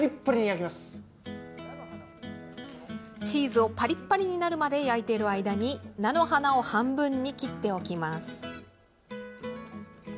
チーズをパリパリになるまで焼いている間に菜の花を半分に切っておきます。